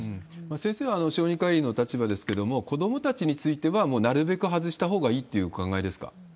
先生は小児科医の立場ですけども、子どもたちについては、もうなるべく外したほうがいいっていうお考えですか？